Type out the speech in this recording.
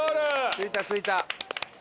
着いた着いた。